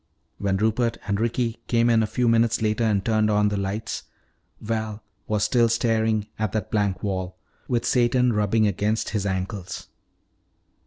When Rupert and Ricky came in a few minutes later and turned on the lights, Val was still staring at that blank wall, with Satan rubbing against his ankles.